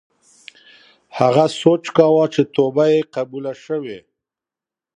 هغه سوچ کاوه چې توبه یې قبوله شوې.